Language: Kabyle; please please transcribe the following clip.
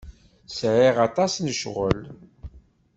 Sɛiɣ aṭas n ccɣel.